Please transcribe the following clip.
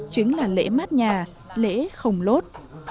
chính là lễ mát nhà lễ không lốt